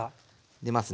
出ますね。